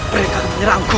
mereka yang menyerangku